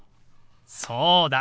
そうだ！